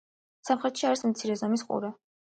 სამხრეთში არის ორი მცირე ზომის ყურე.